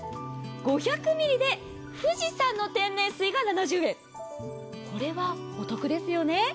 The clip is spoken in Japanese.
５００ミリで富士山の天然水が７０円、これはお得ですよね。